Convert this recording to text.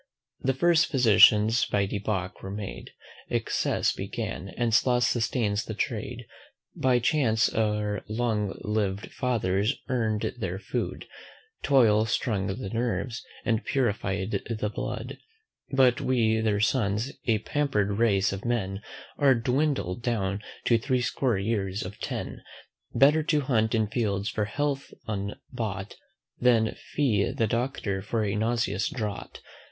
The first physicians by debauch were made; Excess began, and sloth sustains the trade. By chace our long liv'd fathers earn'd their food; Toil strung the nerves, and purify'd the blood; But we their sons, a pamper'd race of men, Are dwindled down to threescore years and ten. Better to hunt in fields for health unbought, Than fee the Doctor for a nauseous draught.